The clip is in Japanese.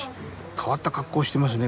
変わった格好してますね